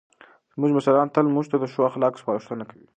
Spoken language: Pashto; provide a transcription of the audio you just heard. زموږ مشران تل موږ ته د ښو اخلاقو سپارښتنه کوي.